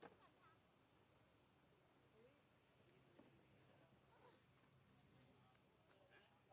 สวัสดีครับ